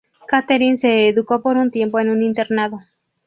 Catherine se educó por un tiempo en un internado.